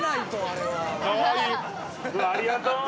ありがとう。